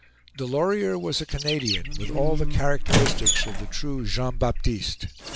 Delorier was a Canadian, with all the characteristics of the true Jean Baptiste.